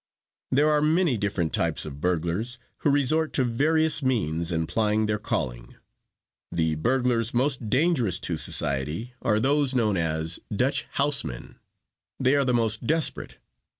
"There are many different types of burglars, who resort to various means in plying their calling. The burglars most dangerous to society are those known as 'Dutch house men.' They are the most desperate.